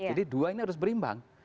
jadi dua ini harus berimbang